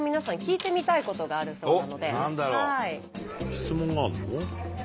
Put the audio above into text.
質問があるの？